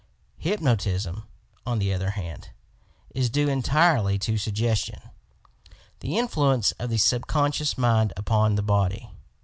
• Hypnotism, on the other hand, is due entirely to "sug gestion" — the influence of the subconscious mind upon the body.